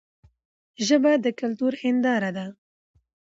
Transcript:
ژبه د کلتور هنداره ده.